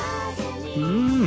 うん。